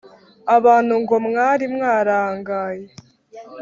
abantu ngo mwari mwarangaye